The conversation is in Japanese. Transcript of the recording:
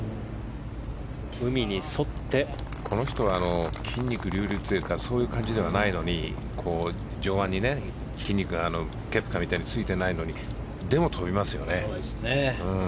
この人は筋肉隆々というかそういう感じではないのに上腕に筋肉がケプカみたいについてないのに飛びますよね。